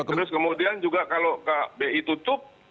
terus kemudian juga kalau kbi tutup